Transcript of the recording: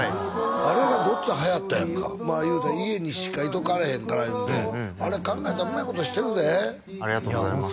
あれがごっついはやったやんかまあいうたら家にしかいとかれへんからいうんであれ考えたらうまいことしてるでありがとうございます